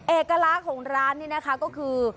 เอกลักษณ์ของร้านนี้นะคะก็คือ